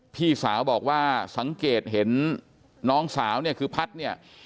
พี่สาวบอกว่าสังเกตเห็นน้องสาวเนี่ยคือพัฒน์เนี่ย